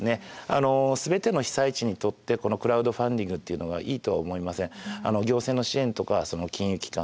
あの全ての被災地にとってこのクラウドファンディングっていうのがいいとは思いません。